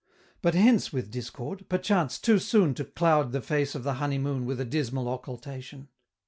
But hence with Discord perchance, too soon To cloud the face of the honeymoon With a dismal occultation!